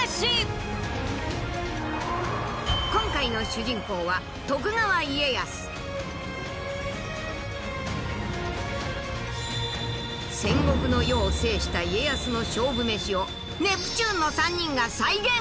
今回の主人公は戦国の世を制した家康の勝負メシをネプチューンの３人が再現！